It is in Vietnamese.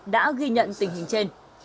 đã ghi nhận tình hình trên